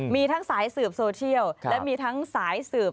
มีทั้งสายสืบโซเชียลและมีทั้งสายสืบ